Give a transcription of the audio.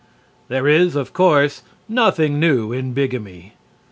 There is, of course, nothing new in bigamy.